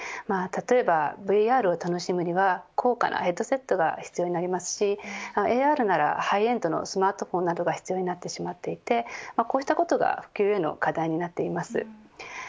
例えばＶＲを楽しむには高価なヘッドセットが必要ですしＡＲならハイエンドのスマートフォンなどが必要になってしまっていてこうしたことが普及への課題になっています。